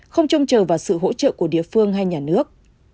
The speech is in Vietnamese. không trông chờ vào sự hỗ trợ của địa phương hay nhà nước